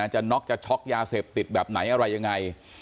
น็อกจะช็อกยาเสพติดแบบไหนอะไรยังไง